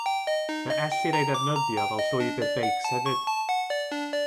Fe ellir ei ddefnyddio fel llwybr beics hefyd.